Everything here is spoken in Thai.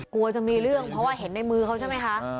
กลัวจะมีเรื่องเพราะว่าเห็นในมือเขาใช่ไหมคะ